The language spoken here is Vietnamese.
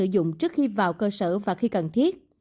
dụng trước khi vào cơ sở và khi cần thiết